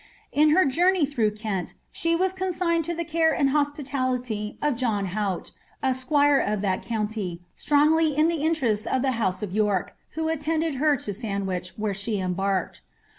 In her journey through Kent she was conMtgned to the care and hospitality of John llaute.' a squire of that countVf strongly in the interests of the house of York, who attended her to Sandwich, where she embarked.